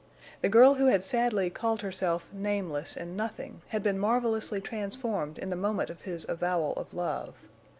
The girl who had sadly called herself nameless and nothing had been marvelously transformed in the moment of his avowal of love.